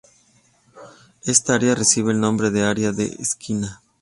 Esta área recibe el nombre de área de esquina.